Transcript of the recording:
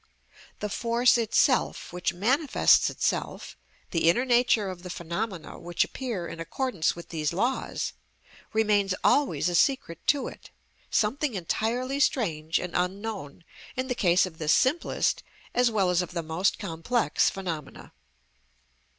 The force itself which manifests itself, the inner nature of the phenomena which appear in accordance with these laws, remains always a secret to it, something entirely strange and unknown in the case of the simplest as well as of the most complex phenomena.